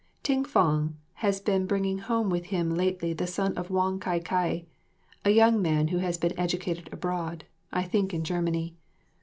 Ting fang has been bringing home with him lately the son of Wong Kai kia, a young man who has been educated abroad, I think in Germany.